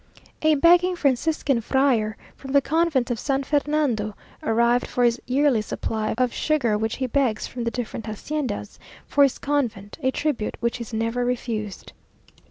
A begging Franciscan friar, from the convent of San Fernando, arrived for his yearly supply of sugar which he begs from the different haciendas, for his convent, a tribute which is never refused.